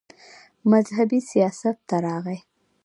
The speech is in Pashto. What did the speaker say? مذهبي سياست ته راغے